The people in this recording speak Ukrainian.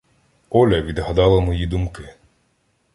Оля відгадала мої думки.